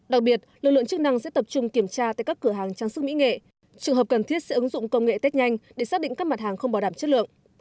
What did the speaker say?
đặc biệt lực lượng chức năng sẽ tập trung kiểm tra tại các cửa hàng trang sức mỹ nghệ trường hợp cần thiết sẽ ứng dụng công nghệ tết nhanh để xác định các mặt hàng không bảo đảm chất lượng